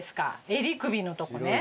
襟首のとこね。